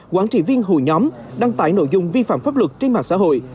quản trị viên hội nhóm đăng tải nội dung vi phạm pháp luật trên mạng xã hội